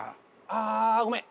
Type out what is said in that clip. ああごめん。